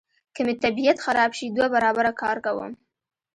که مې طبیعت خراب شي دوه برابره کار کوم.